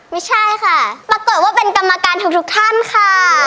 ไม่ใช่ค่ะปรากฏว่าเป็นกรรมการทุกท่านค่ะ